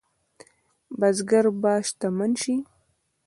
بزګر به شتمن شي؟